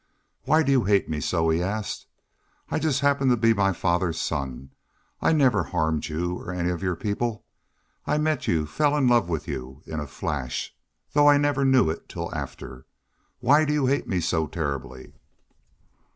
"Why do you hate me so?" he asked. "I just happen to be my father's son. I never harmed you or any of your people. I met you ... fell in love with you in a flash though I never knew it till after.... Why do you hate me so terribly?"